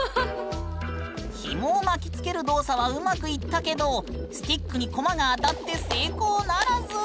ヒモを巻きつける動作はうまくいったけどスティックにコマが当たって成功ならず。